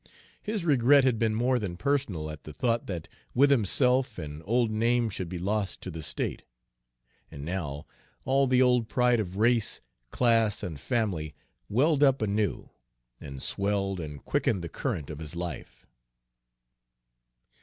His regret had been more than personal at the thought that with himself an old name should be lost to the State; and now all the old pride of race, class, and family welled up anew, and swelled and quickened the current of his life.